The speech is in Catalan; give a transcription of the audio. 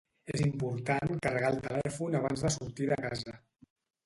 És important carregar el telèfon abans de sortir de casa.